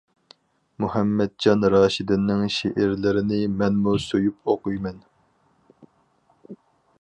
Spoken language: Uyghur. مۇھەممەتجان راشىدىننىڭ شېئىرلىرىنى مەنمۇ سۆيۈپ ئوقۇيمەن.